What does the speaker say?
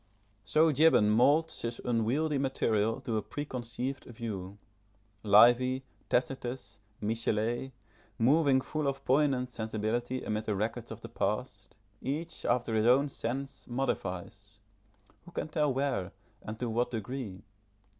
So Gibbon moulds his unwieldy material to a preconceived view. Livy, Tacitus, Michelet, moving full of poignant sensibility amid the records of the past, each, after his own sense, modifies who can tell where and to what degree?